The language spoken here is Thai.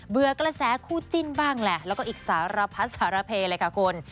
กระแสคู่จิ้นบ้างแหละแล้วก็อีกสารพัดสารเพเลยค่ะคุณ